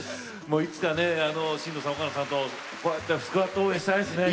もういつかね新藤さん岡野さんとこうやってスクワット応援したいですね。